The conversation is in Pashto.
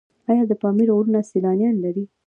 آیا د پامیر غرونه سیلانیان لري؟